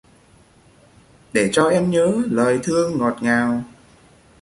Để cho em nhớ lời thương ngọt ngào